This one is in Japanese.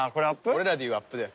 俺らで言うアップだよ。